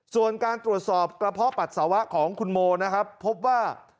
ส่วนการตรวจสอบกระเพาะปัสสาวะของคุณโมนะครับพบว่า